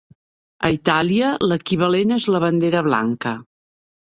A Itàlia, l'equivalent és la bandera blanca.